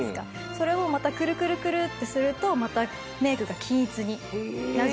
それをまたくるくるくるってするとまたメイクが均一になじませる事ができます。